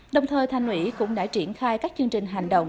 đồng thời thanh nguyễn cũng đã triển khai các chương trình hành động